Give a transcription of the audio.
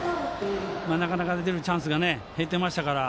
なかなか、出れるチャンスが減ってましたから。